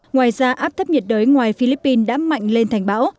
ngoài ra áp thấp nhiệt đới ngoài philippines đã mạnh lên thành bão